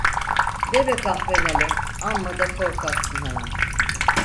De be kahpe nalı, amma da korkaksın ha…